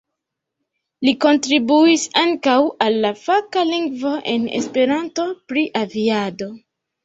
Li kontribuis ankaŭ al la faka lingvo en Esperanto pri aviado.